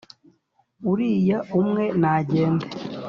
• uriya umwe nagende.